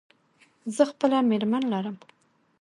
زه خپله مېرمن لرم.